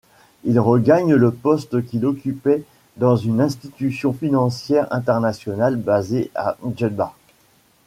Il regagne le poste qu'il occupait dans une institution financière internationale basée à Djeddah.